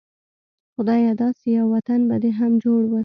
خدايه داسې يو وطن به دې هم جوړ و